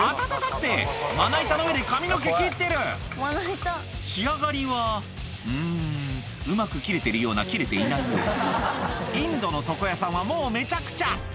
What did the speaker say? ってまな板の上で髪の毛切ってる仕上がりはうんうまく切れてるような切れていないようなインドの床屋さんはもうめちゃくちゃ！